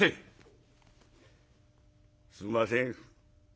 すんません。